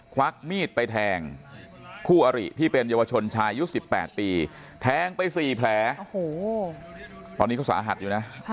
ควักมีดไปแทงคู่อริที่เป็นเยาวชนชายอายุ๑๘ปีแทงไป๔แผลโอ้โหตอนนี้เขาสาหัสอยู่นะ